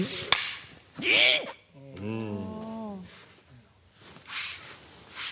うん。